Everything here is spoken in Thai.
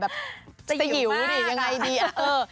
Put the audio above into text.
สวิวมาก